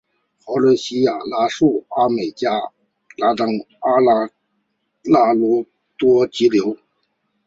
华伦西亚拉素阿美利加科罗拉多急流